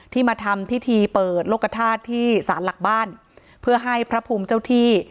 มาทำพิธีเปิดโลกธาตุที่สารหลักบ้านเพื่อให้พระภูมิเจ้าที่